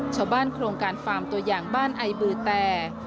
โครงการฟาร์มตัวอย่างบ้านไอบือแต่